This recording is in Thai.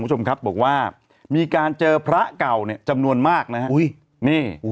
ผู้ชมครับบอกว่ามีการเจอพระเก่าจำนวนมากนี่